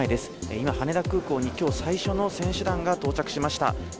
今、羽田空港にきょう最初の選手団が到着しました。